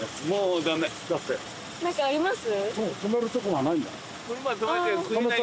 何かあります？